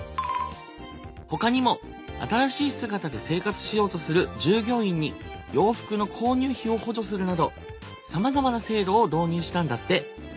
ほかにも新しい姿で生活しようとする従業員に洋服の購入費を補助するなどさまざまな制度を導入したんだって。